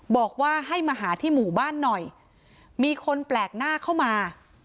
บอกว่าให้มาหาที่หมู่บ้านหน่อยมีคนแปลกหน้าเข้ามา